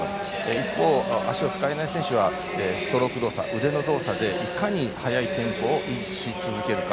一方、足を使えない選手はストローク動作腕の動作でいかに速いテンポを維持し続けるか。